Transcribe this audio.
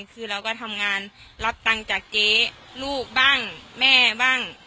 คือเราก็ทำงานรับตังค์จากเจ๊ลูกบ้างแม่บ้าง